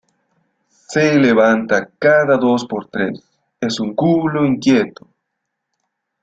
Se levanta cada dos por tres, es un culo inquieto